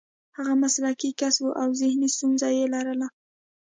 هغه مسلکي کس و او ذهني ستونزه یې لرله